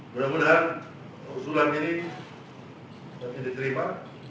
mudah mudahan usulan ini nanti diterima